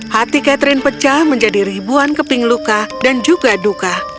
hati catherine pecah menjadi ribuan keping luka dan juga duka